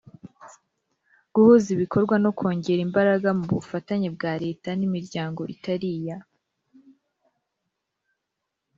Guhuza ibikorwa no kongera imbaraga mu bufatanye bwa leta n imiryango itari iya